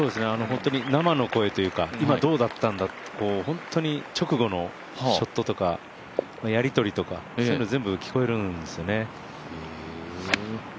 生の声というか今、どうだったんだとか、本当に直後のショットとか、やり取りとかそういうのが全部聞こえるんですよね。